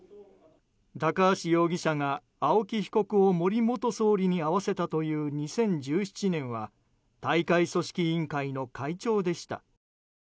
高橋容疑者が青木被告を森元総理に会わせたという２０１７年は大会組織委員会の会長でした。